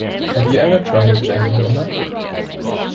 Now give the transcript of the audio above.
Have you ever tried a Jam Donut?